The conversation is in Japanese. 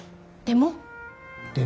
でも？